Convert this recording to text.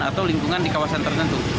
atau lingkungan di kawasan tertentu